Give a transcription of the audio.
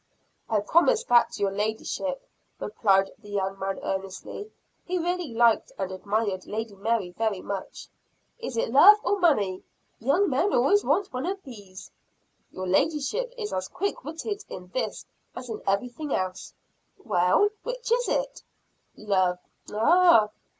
"I promise that to your ladyship," replied the young man earnestly. He really liked and admired Lady Mary very much. "Is it love, or money? young men always want one of these." "Your ladyship is as quick witted in this as in everything else." "Well, which is it?" "Love."